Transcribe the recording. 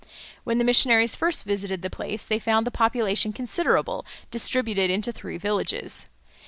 When the missionaries first visited the place, they found the population considerable, distributed into three villages.